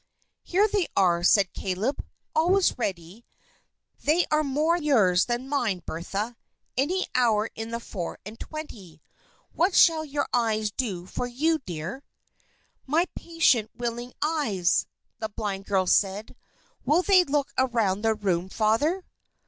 "Here they are," said Caleb. "Always ready. They are more yours than mine, Bertha, any hour in the four and twenty. What shall your eyes do for you, dear?" "My patient, willing eyes!" the blind girl said. "Will they look around the room, Father?"